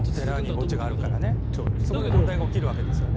お寺に墓地があるからそういう問題が起きるわけですよね。